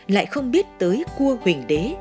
lại không biết tới cua huỳnh đế